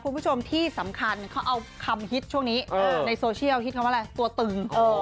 คุณผู้ชมที่สำคัญเขาเอาคำฮิตช่วงนี้ในโซเชียลฮิตคำว่าอะไรตัวตึง